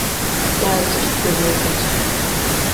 Maazị Chukwu Onyekachi